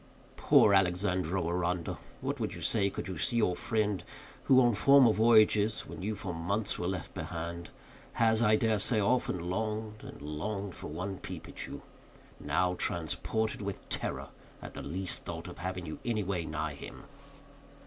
Poor Alexandro Aranda! what would you say could you here see your friend—who, on former voyages, when you, for months, were left behind, has, I dare say, often longed, and longed, for one peep at you—now transported with terror at the least thought of having you anyway nigh him.